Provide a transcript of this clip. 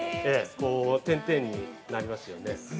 点々になりますよね。